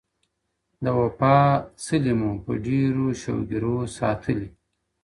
د وفا څلي مو په ډېرو شو ګيرو ساتلي